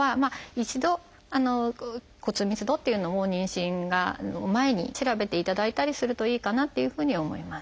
一度骨密度っていうのを妊娠の前に調べていただいたりするといいかなっていうふうには思います。